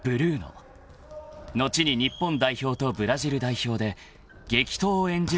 ［後に日本代表とブラジル代表で激闘を演じる相手